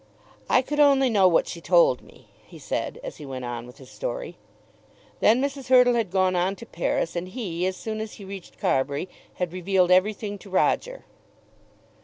"I could only know what she told me," he said, as he went on with his story. Then Mrs. Hurtle had gone on to Paris, and he, as soon as he reached Carbury, had revealed everything to Roger.